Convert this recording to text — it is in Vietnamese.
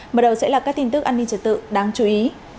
mở đầu sẽ là các tin tức an ninh trật tự đáng chú ý